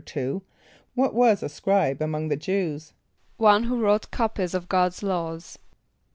= What was a scribe among the Jew[s+]? =One who wrote copies of God's laws.